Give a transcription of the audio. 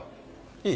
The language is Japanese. いい？